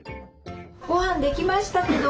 ごはんできましたけど。